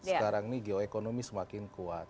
sekarang ini geoekonomi semakin kuat